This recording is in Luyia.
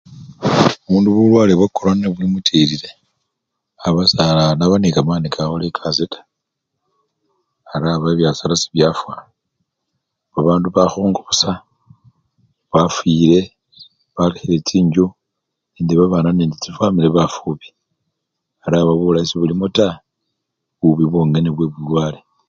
Mundu bulwale bwa corona nebumutilile aba sanaba nekamani kakhola ekasii taa, ari aba bibyasara sebyafwa, babandu bakhungu busa bafwile balekhile chinjju nende babana nende chifwamili nende bafubi ari aba bulayi sebulimo taa bubi bwongene bwebulwale.